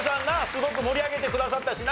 すごく盛り上げてくださったしな。